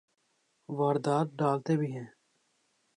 واردات ڈالتے بھی ہیں۔